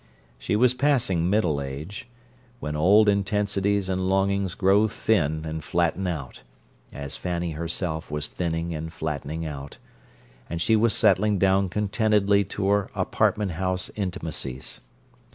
She was passing middle age, when old intensities and longings grow thin and flatten out, as Fanny herself was thinning and flattening out; and she was settling down contentedly to her apartment house intimacies.